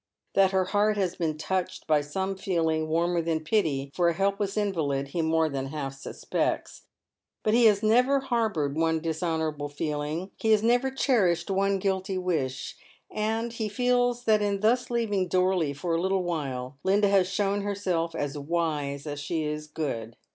That her heart has been touched by some feeling warmer than pity for a helpless invalid he more than half suspects ; but he has never harboured one dishonourable feeling, he has never cherished one guilty wish, and he feels that in thus leaving Dorley for a little while Linda has shown herself as wise as she is good.